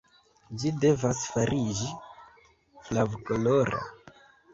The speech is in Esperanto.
Ĝi devas fariĝi flav-kolora.